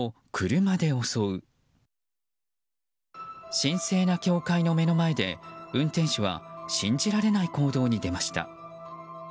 神聖な教会の目の前で運転手は信じられない行動に出ました。